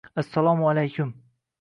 Assalomu-alaykum.